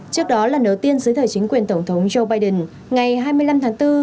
trước đó lần đầu tiên dưới thời chính quyền tổng thống joe biden ngày hai mươi năm tháng bốn